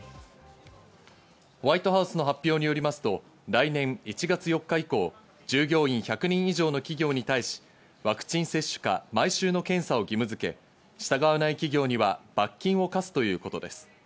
ホワイトハウスの発表によりますと来年１月４日以降、営業員１００人以上の企業に対し、ワクチン接種か毎週の検査を義務付け、従わない企業には罰金を科すということです。